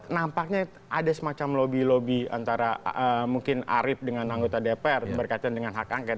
nampaknya ada semacam lobby lobby antara mungkin arief dengan anggota dpr berkaitan dengan hak angket